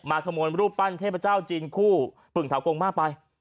ขโมยรูปปั้นเทพเจ้าจีนคู่ปึ่งเถากงมากไป